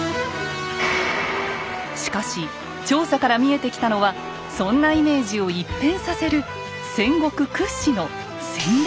しかし調査から見えてきたのはそんなイメージを一変させる戦国屈指の戦略